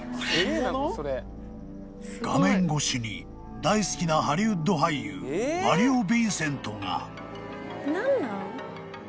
［画面越しに大好きなハリウッド俳優マリオ・ヴィンセントが］